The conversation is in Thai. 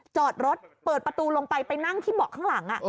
จอดรถเปิดประตูลงไปไปนั่งที่เบาะข้างหลัง